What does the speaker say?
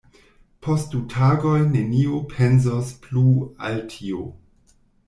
Post du tagoj neniu pensos plu al tio.